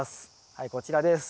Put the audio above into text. はいこちらです。